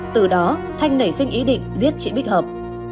từ đó thanh nảy sinh ý định giết chị bích hợp